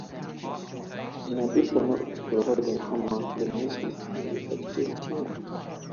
In addition to providing humor, the music is an effective jingle.